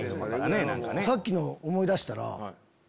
さっきの思い出したら。